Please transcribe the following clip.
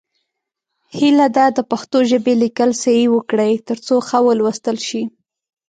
هیله ده د پښتو ژبې لیکل صحیح وکړئ، تر څو ښه ولوستل شي.